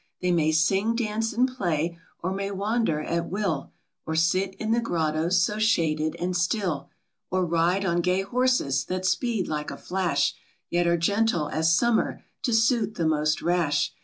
They may sing, dance, and play ; or may wan der at will ; Or sit in the grottoes, so shaded and still ; Or ride on gay horses, that speed like a flash, Yet are gentle as summer, to suit the most rash.